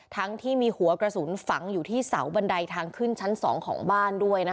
ทั้งที่มีหัวกระสุนฝังอยู่ที่เสาบันไดทางขึ้นชั้น๒ของบ้านด้วย